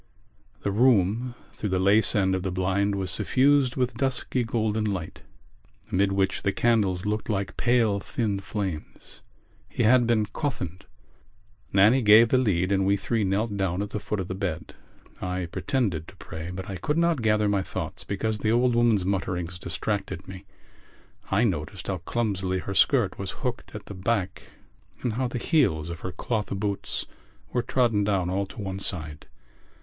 The room through the lace end of the blind was suffused with dusky golden light amid which the candles looked like pale thin flames. He had been coffined. Nannie gave the lead and we three knelt down at the foot of the bed. I pretended to pray but I could not gather my thoughts because the old woman's mutterings distracted me. I noticed how clumsily her skirt was hooked at the back and how the heels of her cloth boots were trodden down all to one side.